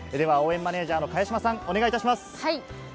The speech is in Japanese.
応援マネージャー・茅島さん、お願いします。